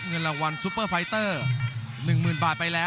กรุงฝาพัดจินด้า